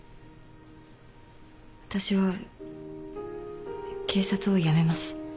私は警察を辞めます。